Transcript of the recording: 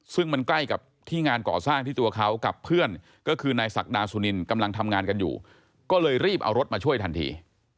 ซึ่งมันใกล้กับที่งานก่อสร้างที่ตัวเขากับเพื่อนก็คือนายศักดาสุนินกำลังทำงานกันอยู่ก็เลยรีบเอารถมาช่วยทันที